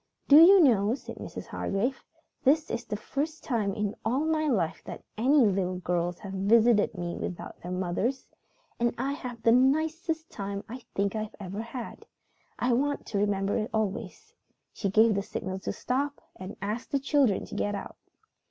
"Do you know," said Mrs. Hargrave, "this is the first time in all my life that any little girls have visited me without their mothers? And I have had the nicest time I think I ever had. I want to remember it always." She gave the signal to stop, and asked the children to get out.